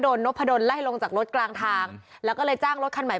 นพดลไล่ลงจากรถกลางทางแล้วก็เลยจ้างรถคันใหม่